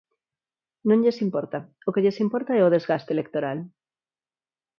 Non lles importa, o que lles importa é o desgaste electoral.